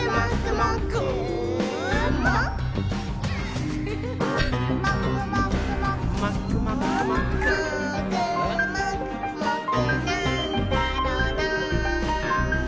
「もーくもくもくなんだろなぁ」